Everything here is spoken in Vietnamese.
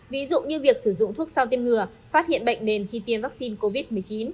ví dụ như việc sử dụng thuốc sau tiêm ngừa phát hiện bệnh nền khi tiêm vaccine covid một mươi chín